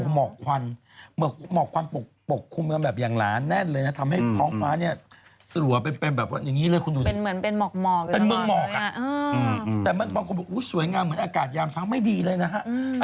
ฮือจุดสวยงามเหมือนอากาศยามเช้าไม่ดีเลยนะฮะ